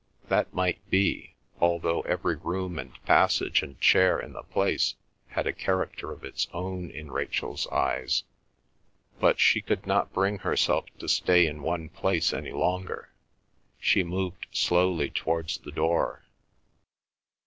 That might be, although every room and passage and chair in the place had a character of its own in Rachel's eyes; but she could not bring herself to stay in one place any longer. She moved slowly towards the door.